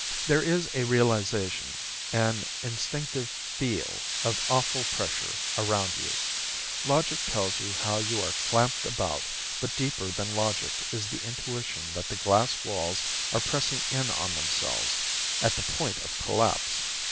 There is a realization, an instinctive feel of awful pressure around you. Logic tells you how you are clamped about, but deeper than logic is the intuition that the glass walls are pressing in on themselves at the point of collapse.